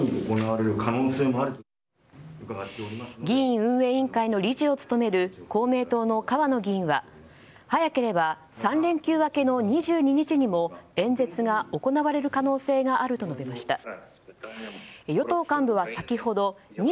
議院運営委員会の理事を務める公明党の河野議員は早ければ３連休明けの２２日にも演説が行われる可能性があると述べました。